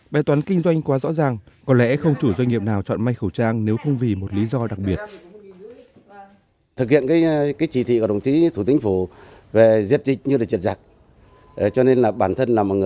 bài toán kinh doanh quá rõ ràng có lẽ không chủ doanh nghiệp nào chọn may khẩu trang nếu không vì một lý do đặc biệt